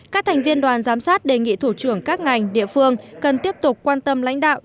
các thành viên đoàn giám sát đề nghị thủ trưởng các ngành địa phương cần tiếp tục quan tâm lãnh đạo